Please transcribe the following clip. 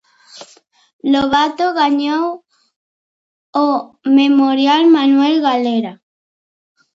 Lobato ganó el Memorial Manuel Galera.